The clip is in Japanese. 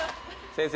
先生